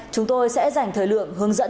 chúng tôi sẽ dành thời lượng hướng dẫn